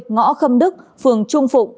ngõ khâm đức phường trung phụng